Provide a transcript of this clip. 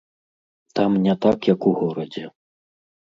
Там не так, як у горадзе.